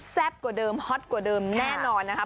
กว่าเดิมฮอตกว่าเดิมแน่นอนนะครับ